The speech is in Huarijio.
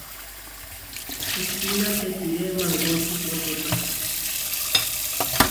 Hustína tekiré mangóči potepá.